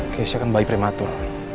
keisha kan bayi prematur